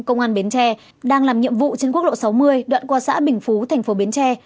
công an bến tre đang làm nhiệm vụ trên quốc lộ sáu mươi đoạn qua xã bình phú thành phố bến tre